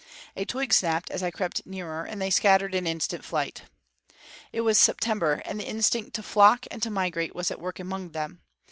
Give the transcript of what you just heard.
A twig snapped as I crept nearer, and they scattered in instant flight. It was September, and the instinct to flock and to migrate was at work among them.